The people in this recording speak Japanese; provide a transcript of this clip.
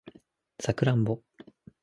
サクランボ